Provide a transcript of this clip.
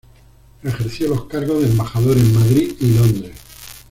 Ejerció los cargos de embajador en Madrid y Londres.